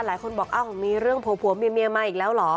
หลายคนบอกอ้าวมีเรื่องผัวเมียมาอีกแล้วเหรอ